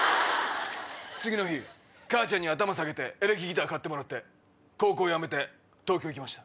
次の日母ちゃんに頭下げてエレキギター買ってもらって高校やめて東京行きました。